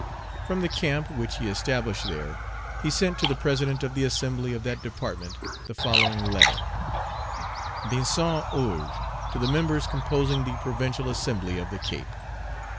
From the camp which he established there, he sent to the President of the Assembly of that Department the following letter: "VINCENT OGÉ TO THE MEMBERS COMPOSING THE PROVINCIAL ASSEMBLY OF THE CAPE.